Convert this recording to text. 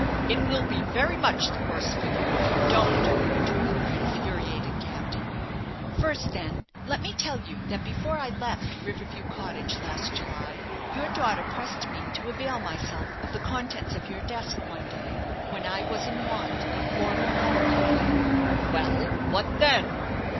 "It will be very much the worse for you if you don't," retorted the infuriated captain. "First, then, let me tell you that before I left River View Cottage last July, your daughter pressed me to avail myself of the contents of your desk one day when I was in want of foreign letter paper." "Well, what then?"